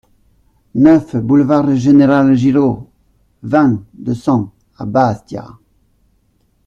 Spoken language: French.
neuf boulevard Général Giraud, vingt, deux cents à Bastia